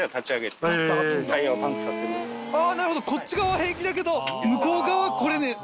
なるほどこっち側は平気だけど向こう側は来れねえ。